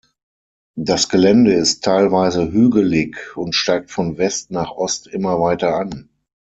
Das Gelände ist teilweise hügelig und steigt von West nach Ost immer weiter an.